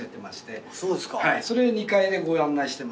それ２階でご案内してます。